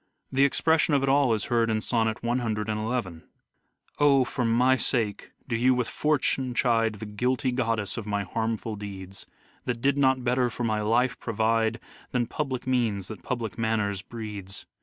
The expression of it all is heard in sonnet in :" O ! for my sake do you with Fortune chide The guilty goddess of my harmful deeds ; That did not better for my life provide Than public means that public manners breeds.